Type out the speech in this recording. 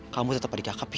kamu tetap adik kakak pi